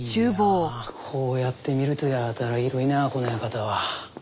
いやあこうやって見るとやたら広いなこの館は。